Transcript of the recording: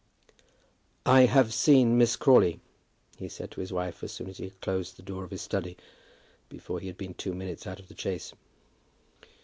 "I have seen Miss Crawley," he said to his wife, as soon as he had closed the door of his study, before he had been two minutes out of the chaise.